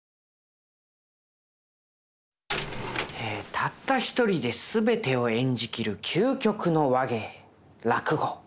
たった一人で全てを演じきる究極の話芸落語。